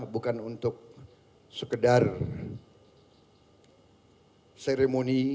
bukan untuk sekedar seremoni